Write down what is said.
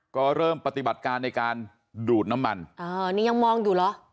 ก็เริ่มปฏิบัติการในการดูดน้ำมันอ่านี่ยังมองอยู่เหรอ